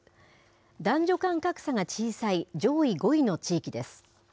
男女間格差が小さい上位５位の地域です。